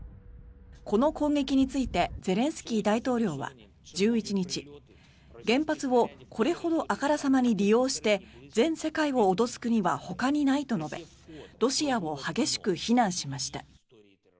この攻撃についてゼレンスキー大統領は１１日原発をこれほどあからさまに利用して全世界を脅す国はほかにないと述べロシアを激しく非難しました。